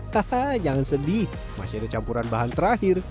haha jangan sedih masih ada campuran bahan terakhir